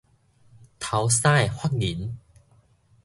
頭三个法人